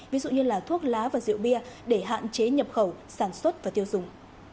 ví dụ như là thuốc lá và rượu bia để hạn chế nhập khẩu sản xuất và tiêu dùng